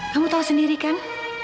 kamu tau sendiri kan